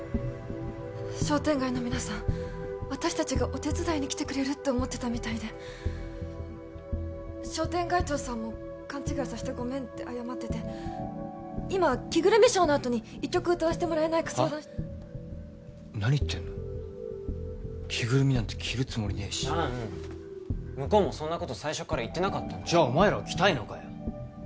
商店街の皆さん私達がお手伝いに来てくれるって思ってたみたいで商店街長さんも勘違いさせてごめんって謝ってて今着ぐるみショーのあとに１曲歌わせてもらえないか相談はっ何言ってんの着ぐるみなんて着るつもりねえし弾向こうもそんなこと最初から言ってなかったじゃあお前らは着たいのかよ